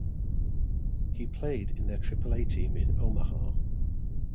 He played with their Triple-A team in Omaha.